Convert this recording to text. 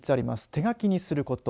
手書きにすること